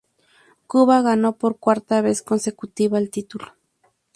Cuba ganó por cuarta vez consecutiva el título.